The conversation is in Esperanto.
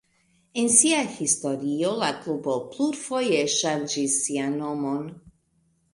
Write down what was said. En sia historio la klubo plurfoje ŝanĝis sian nomon.